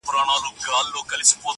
خو هېڅ څوک د هغې غږ ته نه درېږي-